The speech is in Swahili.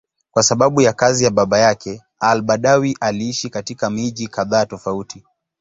Kwa sababu ya kazi ya baba yake, al-Badawi aliishi katika miji kadhaa tofauti.